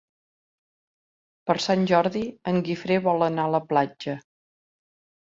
Per Sant Jordi en Guifré vol anar a la platja.